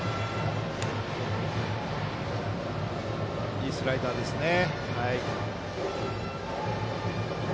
いいスライダーですね。